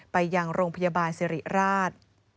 ไปยังโรงพยาบาลสิริราช